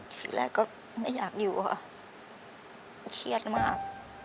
ทีแรกก็ไม่อยากอยู่ค่ะเครียดมาก